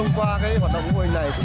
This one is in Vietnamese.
người hồn người dân nghèo